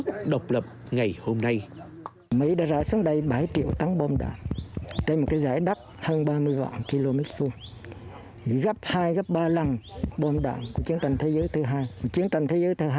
chiến tranh thế giới thứ hai